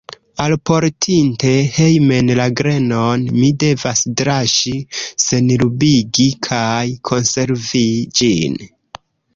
Alportinte hejmen la grenon, mi devas draŝi, senrubigi kaj konservi ĝin.